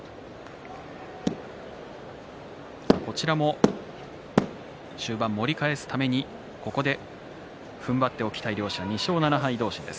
こちらも終盤盛り返すためにここでふんばっておきたい両者２勝７敗同士です。